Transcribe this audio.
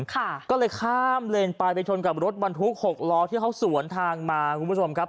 ค่ะก็เลยข้ามเลนไปไปชนกับรถบรรทุกหกล้อที่เขาสวนทางมาคุณผู้ชมครับ